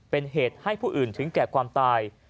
เป็นเหตุให้ผู้อื่นถึงแก่ความตาย